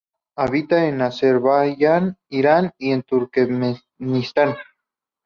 Habita en Azerbaiyán, Irán y Turkmenistán.